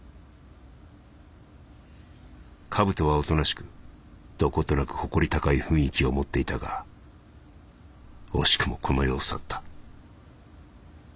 「カブトはおとなしくどことなく誇り高い雰囲気を持っていたが惜しくもこの世を去った」。